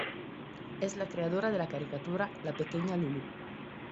Es la creadora de la caricatura "La pequeña Lulú".